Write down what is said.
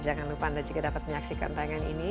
jangan lupa anda juga dapat menyaksikan tangan ini